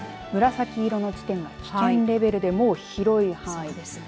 紫色の地点は危険レベルで、もう広い範囲ですね。